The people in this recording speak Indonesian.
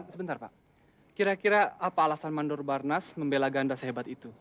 sebentar pak kira kira apa alasan mandor barnas membela ganda sehebat itu